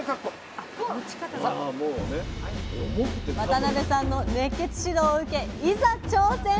渡邊さんの熱血指導を受けいざ挑戦！